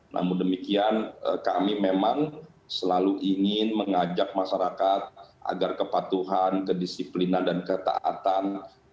namun demikian kami memang selalu ingin mengajak masyarakat agar kepatuhan kedisiplinan dan ketaatan